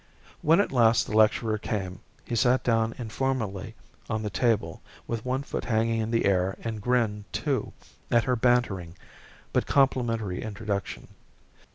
When at last the lecturer came he sat down informally on the table with one foot hanging in the air and grinned, too, at her bantering but complimentary introduction.